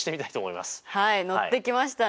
はい乗ってきましたね！